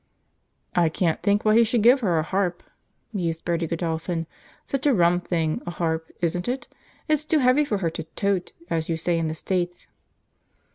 "I can't think why he should give her a harp," mused Bertie Godolphin. "Such a rum thing, a harp, isn't it? It's too heavy for her to 'tote,' as you say in the States."